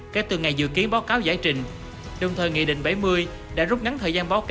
kể từ ngày dự kiến báo cáo giải trình